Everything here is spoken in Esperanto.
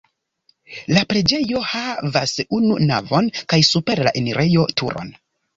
La preĝejo havas unu navon kaj super la enirejo turon.